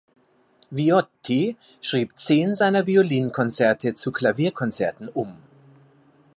Viotti schrieb zehn seiner Violinkonzerte zu Klavierkonzerten um.